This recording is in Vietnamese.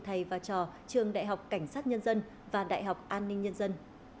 thầy và trò trường đại học cảnh sát nhân dân và đại học an ninh nhân dân